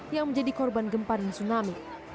yang menjadi korban gempa dan tsunami